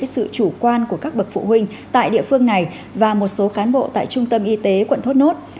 sự chủ quan của các bậc phụ huynh tại địa phương này và một số cán bộ tại trung tâm y tế quận thốt nốt